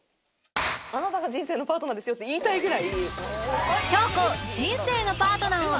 あなたが人生のパートナーですよって言いたいぐらい。